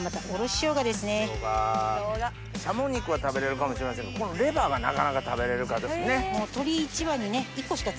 しゃも肉は食べれるかもしれませんがレバーがなかなか食べれるかですね。